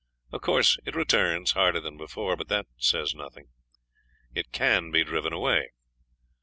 Of course it returns, harder than before, but that says nothing. It CAN be driven away.